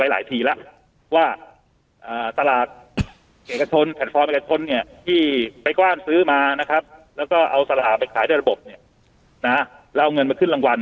แล้ว๑๐๐๐๐คนเป็นสลัดจำนวนเยอะเอาสลัดไปไหนไปลง